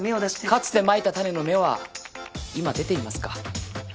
かつてまいた種の芽は今出ていますか？